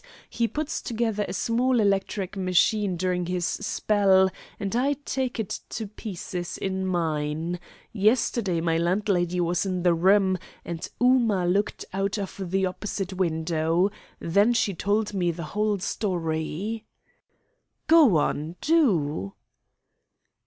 He puts together a small electric machine during his spell, and I take it to pieces in mine. Yesterday my landlady was in the room, and Ooma looked out of the opposite window. Then she told me the whole story." "Go on do!"